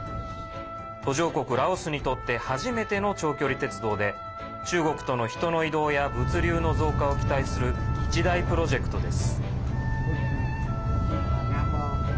途上国ラオスにとって初めての長距離鉄道で中国との人の移動や物流の増加を期待する一大プロジェクトです。